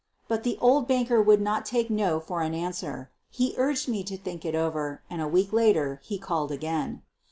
But the old banker would not take no for an an swer. He urged me to think it over and a week later he called again.